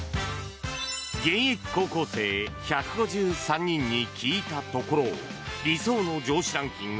現役高校生１５３人に聞いたところ理想の上司ランキング